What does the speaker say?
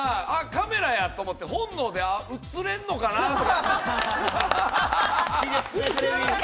カメラやと思って本能で映れんのかなぁって。